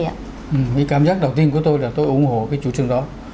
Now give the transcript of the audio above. cái cảm giác đầu tiên của tôi là tôi ủng hộ cái chủ trương đó